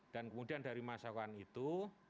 dan kemudian dari masukan itu